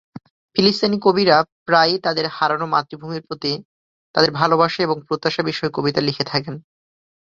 ফিলিস্তিনি কবিরা প্রায়ই তাদের হারানো মাতৃভূমির প্রতি তাদের ভালোবাসা এবং প্রত্যাশা বিষয়ে কবিতা লিখে থাকেন।